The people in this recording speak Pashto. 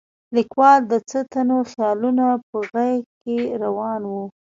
لیکوال د څه تتو خیالونه په غېږ کې راون و.